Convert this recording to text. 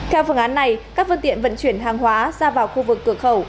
theo phương án này các phương tiện vận chuyển hàng hóa ra vào khu vực cửa khẩu